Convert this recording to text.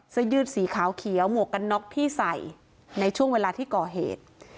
ยืดสีขาวเขียวหมวกกันน็อกที่ใส่ในช่วงเวลาที่ก่อเหตุ